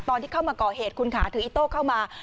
ตอนที่เข้ามาก่อเหตุคุณค่ะถืออีโต้เข้ามา